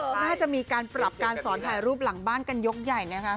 ก็น่าจะมีการปรับการสอนถ่ายรูปหลังบ้านกันยกใหญ่นะคะ